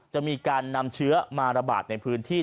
จะมีการนำเชื้อมาระบาดในพื้นที่